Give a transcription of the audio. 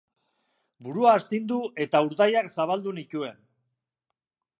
Burua astindu eta urdaiak zabaldu nituen.